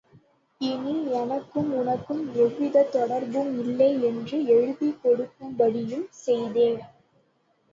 இனி எனக்கும் உனக்கும் எவ்விதத் தொடர்பும் இல்லை என்று எழுதிக் கொடுக்கும்படியும் செய்தேன்.